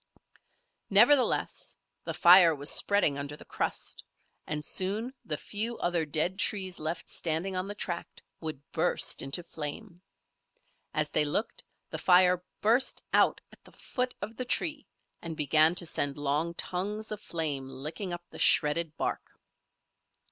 Nevertheless, the fire was spreading under the crust and soon the few other dead trees left standing on the tract would burst into flame. As they looked, the fire burst out at the foot of the tree and began to send long tongues of flame licking up the shredded bark.